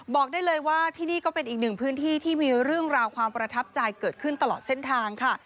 บอกได้เลยว่าที่นี่ก็เป็นอีกหนึ่งพื้นที่ที่มีเรื่องราวความประทับใจเกิดขึ้นตลอดเส้นทางค่ะ